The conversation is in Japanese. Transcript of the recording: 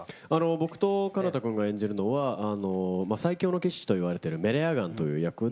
僕と彼方君が演じるのは最強の騎士といわれてるメレアガンという役で。